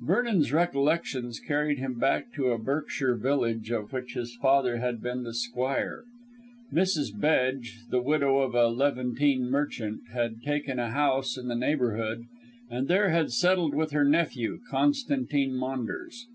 Vernon's recollections carried him back to a Berkshire village of which his father had been the squire. Mrs. Bedge, the widow of a Levantine merchant, had taken a house in the neighbourhood, and there had settled with her nephew, Constantine Maunders.